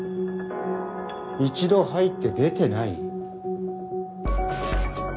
一度入って出てない？